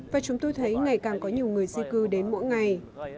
và chúng tôi thấy ngày càng có nhiều người di cư đến mỗi ngày